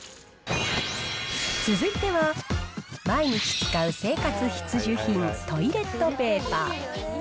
続いては、毎日使う生活必需品、トイレットペーパー。